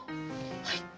はい！